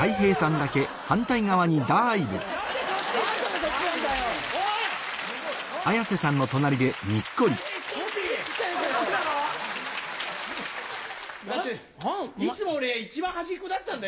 だっていつも俺一番端っこだったんだよ